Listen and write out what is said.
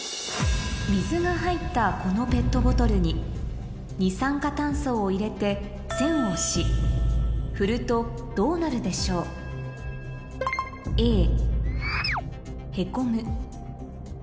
水が入ったこのペットボトルに二酸化炭素を入れて栓をし振るとどうなるでしょう？え。